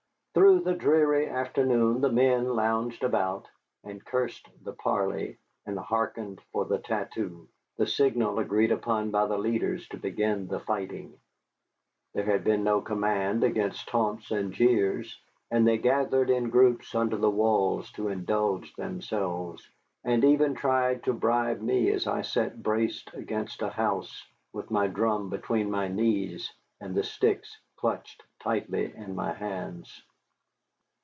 Through the dreary afternoon the men lounged about and cursed the parley, and hearkened for the tattoo, the signal agreed upon by the leaders to begin the fighting. There had been no command against taunts and jeers, and they gathered in groups under the walls to indulge themselves, and even tried to bribe me as I sat braced against a house with my drum between my knees and the sticks clutched tightly in my hands.